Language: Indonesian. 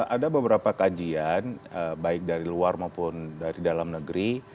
ada beberapa kajian baik dari luar maupun dari dalam negeri